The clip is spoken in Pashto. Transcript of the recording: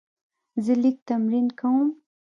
زه لیک تمرین کوم.